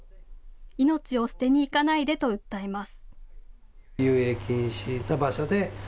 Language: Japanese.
命を捨てに行かないでと訴えます。